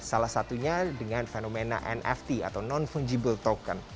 salah satunya dengan fenomena nft atau non fungible token